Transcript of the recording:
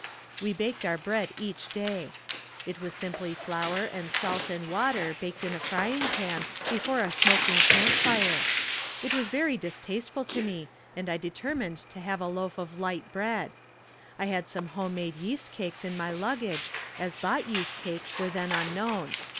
We baked our bread each day. It was simply flour and salt and water baked in a frying pan before a smoking camp fire. It was very distasteful to me and I determined to have a loaf of light bread. I had some home made yeast cakes in my luggage as bought yeast cakes were then unknown.